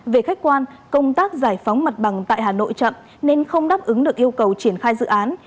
về khách quan công tác giải phóng mặt bằng tại hà nội chậm nên không đáp ứng được yêu cầu triển khai dự án